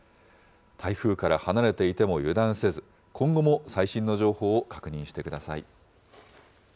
台風から離れていても油断せず、今後も最新の情報を確認してください。